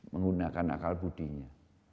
menggunakan akal budinya